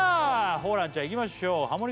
ホランちゃんいきましょうハモリ